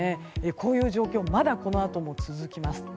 こういう状況はまだこのあとも続きます。